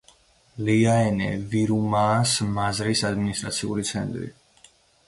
ლიაენე-ვირუმაას მაზრის ადმინისტრაციული ცენტრი.